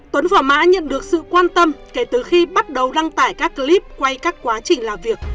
tuấn và mã nhận được sự quan tâm kể từ khi bắt đầu đăng tải các clip quay các quá trình làm việc